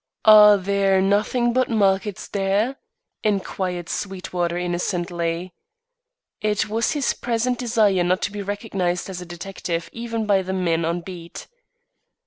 "Are there nothing but markets there?" inquired Sweetwater, innocently. It was his present desire not to be recognised as a detective even by the men on beat.